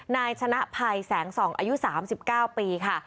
นายชนะภัยแสงส่องอายุ๓๙ปีค่ะ